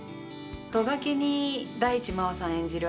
ト書きに、大地真央さん演じる